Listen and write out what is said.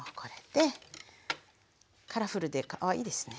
カラフルでかわいいですね。